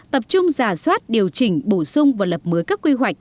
tập trung giả soát điều chỉnh bổ sung và lập mới các quy hoạch